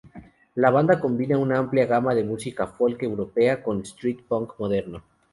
La banda combina una amplia gama de música folk europea con street punk moderno.